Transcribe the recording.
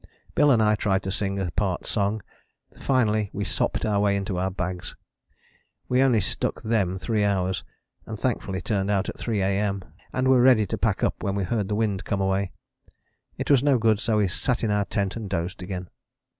Bill and I tried to sing a part song. Finally we sopped our way into our bags. We only stuck them three hours, and thankfully turned out at 3 A.M., and were ready to pack up when we heard the wind come away. It was no good, so we sat in our tent and dozed again.